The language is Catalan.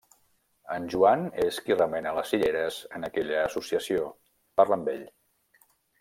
En Joan és qui remena les cireres en aquella associació. Parla amb ell.